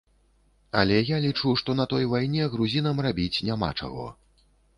Але я лічу, што на той вайне грузінам рабіць няма чаго.